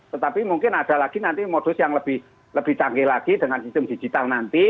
tetapi mungkin ada lagi nanti modus yang lebih canggih lagi dengan sistem digital nanti